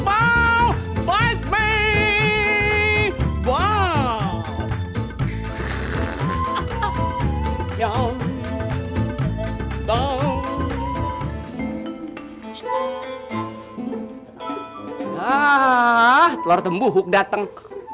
ah telor tembuh huk dateng